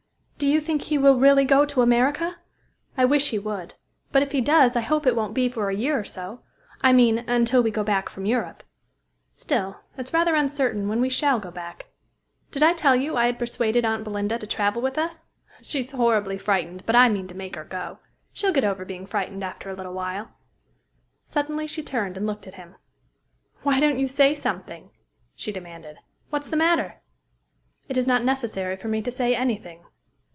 "Do you think he will really go to America? I wish he would; but if he does, I hope it won't be for a year or so I mean, until we go back from Europe. Still, it's rather uncertain when we shall go back. Did I tell you I had persuaded aunt Belinda to travel with us? She's horribly frightened, but I mean to make her go. She'll get over being frightened after a little while." Suddenly she turned, and looked at him. "Why don't you say something?" she demanded. "What's the matter?" "It is not necessary for me to say any thing."